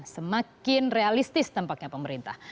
semakin realistis tempatnya pemerintah